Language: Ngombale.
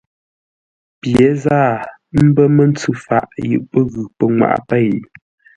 Pye záa ə̀ mbə́ məndməntsʉ faʼ yʉʼ pə́ ghʉ́ pənŋwaʼa pêi.